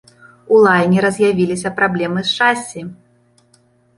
У лайнера з'явіліся праблемы з шасі.